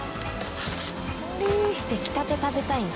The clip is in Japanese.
出来たて食べたいな。